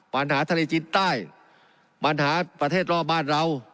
ปัญหาทะเลจินใต้ปัญหาประเทศรอบบ้านเรา